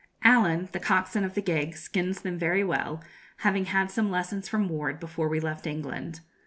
Allen, the coxswain of the gig, skins them very well, having had some lessons from Ward before we left England.